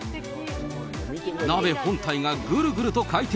鍋本体がぐるぐると回転。